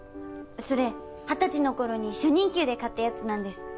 それ二十歳のころに初任給で買ったやつなんです。